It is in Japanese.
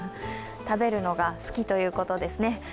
食べるのが好きということですね。